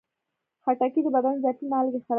خټکی د بدن اضافي مالګې خارجوي.